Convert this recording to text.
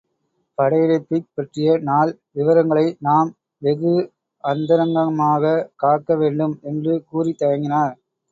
படையெடுப்பைப் பற்றிய நாள் விவரங்களை நாம் வெகு அந்தரங்கமாகக் காக்க வேண்டும்!... என்று கூறித் தயங்கினார்.